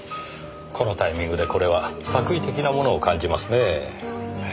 このタイミングでこれは作為的なものを感じますねぇ。